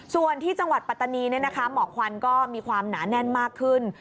ส่วนที่จังหวัดปัตตานีหมอกควันก็มีความหนาแน่นมากขึ้น